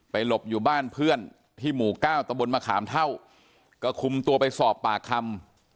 หลบอยู่บ้านเพื่อนที่หมู่เก้าตะบนมะขามเท่าก็คุมตัวไปสอบปากคำ